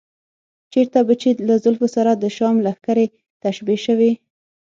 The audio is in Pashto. چېرته به چې له زلفو سره د شام لښکرې تشبیه شوې.